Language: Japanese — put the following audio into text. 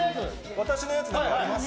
私のやつなんかあります？